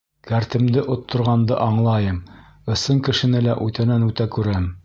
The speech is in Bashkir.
Кәртемде отторғанды аңлайым, ысын кешене лә үтәнән-үтә күрәм...